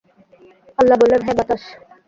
আল্লাহ বললেনঃ হ্যাঁ বাতাস।